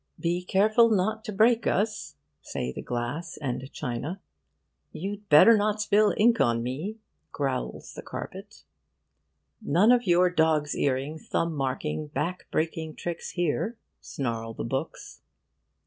'Be careful not to break us,' say the glass and china. 'You'd better not spill ink on me,' growls the carpet. 'None of your dog's earing, thumb marking, back breaking tricks here!' snarl the books.